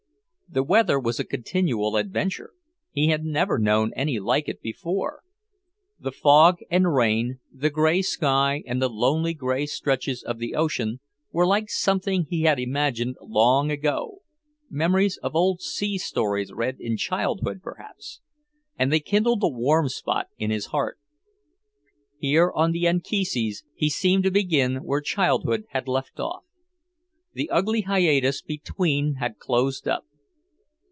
The weather was a continual adventure; he had never known any like it before. The fog, and rain, the grey sky and the lonely grey stretches of the ocean were like something he had imagined long ago memories of old sea stories read in childhood, perhaps and they kindled a warm spot in his heart. Here on the Anchises he seemed to begin where childhood had left off. The ugly hiatus between had closed up.